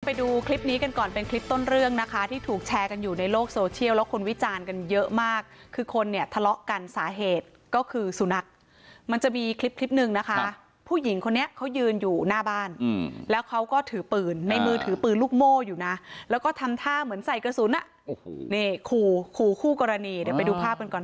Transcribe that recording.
ไปดูคลิปนี้กันก่อนเป็นคลิปต้นเรื่องนะคะที่ถูกแชร์กันอยู่ในโลกโซเชียลแล้วคนวิจารณ์กันเยอะมากคือคนเนี่ยทะเลาะกันสาเหตุก็คือสุนัขมันจะมีคลิปคลิปหนึ่งนะคะผู้หญิงคนนี้เขายืนอยู่หน้าบ้านแล้วเขาก็ถือปืนในมือถือปืนลูกโม่อยู่นะแล้วก็ทำท่าเหมือนใส่กระสุนอ่ะโอ้โหนี่ขู่ขู่คู่กรณีเดี๋ยวไปดูภาพกันก่อน